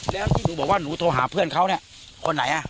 แล้วที่หนูบอกว่าหนูโทรหาเพื่อนเขาเนี่ยคนไหนอ่ะ